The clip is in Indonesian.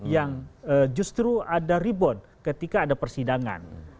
yang justru ada rebound ketika ada persidangan